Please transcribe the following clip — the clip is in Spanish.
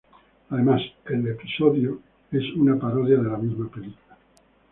Además, el episodio es una parodia de la misma película.